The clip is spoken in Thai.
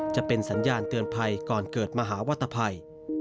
จะเป็นสัญญาณเตือนภัยก่อนเกิดมหาวัตภัย